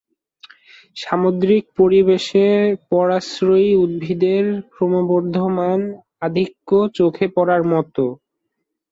সামুদ্রিক পরিবেশে পরাশ্রয়ী উদ্ভিদের ক্রমবর্ধমান আধিক্য চোখে পড়ার মত।